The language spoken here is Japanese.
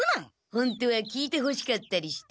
ホントは聞いてほしかったりして。